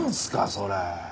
それ。